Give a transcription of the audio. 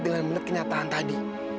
dengan menet kenyataan tadi